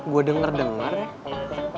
gue denger dengar ya